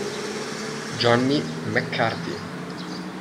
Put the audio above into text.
Johnny McCarthy